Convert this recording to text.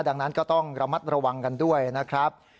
ดังนั้นก็ต้องระมัดระวังกันด้วยนะครับ